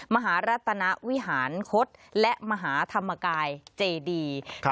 มหารัตนวิหารคศและมหาธรรมกายเจดี